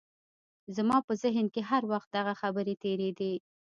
زما په ذهن کې هر وخت دغه خبرې تېرېدې.